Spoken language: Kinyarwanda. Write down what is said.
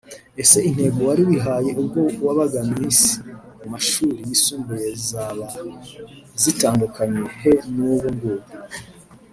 Ese intego wari wihaye ubwo wabaga Miss mu mashuri yisumbuye zaba zitandukaniye he n’ubu ngubu